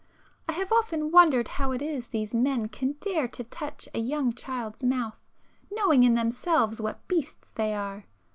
—I have often wondered how it is these men can dare to touch a young child's mouth, knowing in themselves what beasts they are!